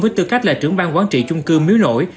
với tư cách là trưởng bang quản trị chung cư miếu nổi